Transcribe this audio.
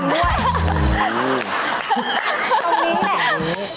มากเลยโอ้โฮ